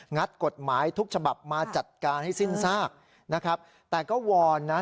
ัดกฎหมายทุกฉบับมาจัดการให้สิ้นซากนะครับแต่ก็วอนนะ